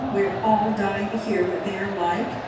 We are all dying to hear what they are like.